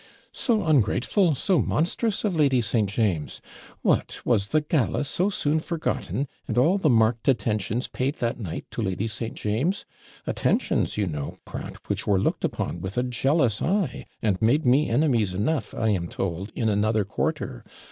'So ungrateful, so monstrous, of Lady St. James! What! was the gala so soon forgotten, and all the marked attentions paid that night to Lady St. James! attentions, you know, Pratt, which were looked upon with a jealous eye, and made me enemies enough, I am told, in another quarter!